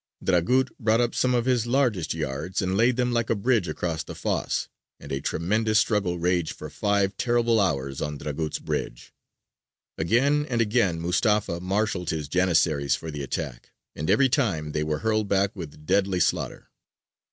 Dragut brought up some of his largest yards and laid them like a bridge across the fosse, and a tremendous struggle raged for five terrible hours on Dragut's bridge. Again and again Mustafa marshalled his Janissaries for the attack, and every time they were hurled back with deadly slaughter.